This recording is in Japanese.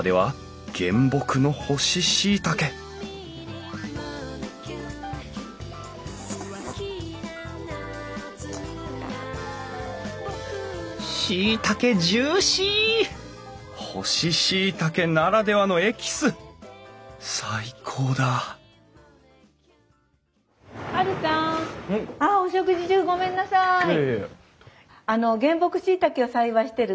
あの原木しいたけを栽培してる岩下兄弟。